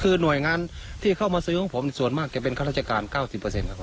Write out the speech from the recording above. คือหน่วยงานที่เข้ามาซื้อของผมส่วนมากจะเป็นข้าราชการ๙๐เปอร์เซ็นต์ครับครับ